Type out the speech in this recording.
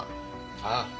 ああ。